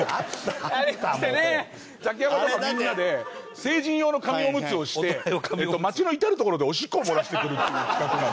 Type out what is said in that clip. ザキヤマとかみんなで成人用の紙おむつをして街の至る所でおしっこを漏らしてくるっていう企画なの。